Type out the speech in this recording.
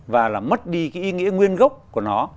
và là mất đi cái ý nghĩa nguyên gốc của nó